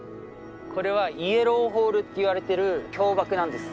これはイエローフォールっていわれてる氷瀑なんです。